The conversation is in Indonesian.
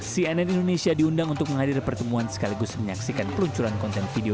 cnn indonesia diundang untuk menghadir pertemuan sekaligus menyaksikan peluncuran konten video